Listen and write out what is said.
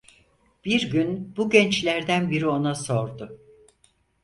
Bir gün bu gençlerden biri ona sordu: